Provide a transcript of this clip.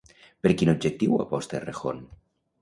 Per quin objectiu aposta Errejón?